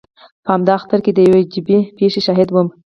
په همدغه اختر کې د یوې عجیبې پېښې شاهد وم.